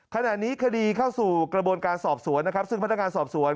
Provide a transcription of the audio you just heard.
ขณะนี้คดีเข้าสู่กระบวนการสอบสวนนะครับซึ่งพนักงานสอบสวน